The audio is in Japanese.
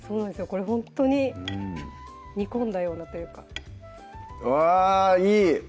これほんとに煮込んだようなというかうわっいい！